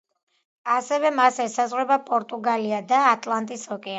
ასევე მას ესაზღვრება პორტუგალია და ატლანტის ოკეანე.